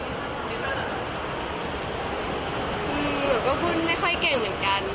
หนูก็พูดไม่ค่อยเก่งเหมือนกัน